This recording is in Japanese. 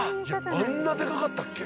あんなでかかったっけ？